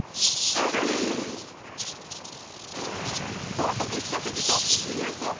高速一筋と自由走行